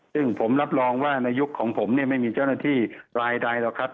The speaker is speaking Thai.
ซึ่งผมรับรองว่าในยุคของผมเนี่ยไม่มีเจ้าหน้าที่รายใดหรอกครับ